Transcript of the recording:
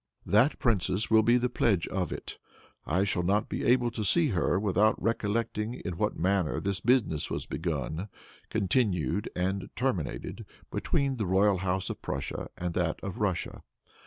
"That princess will be the pledge of it. I shall not be able to see her without recollecting in what manner this business was begun, continued and terminated, between the royal house of Prussia and that of Russia.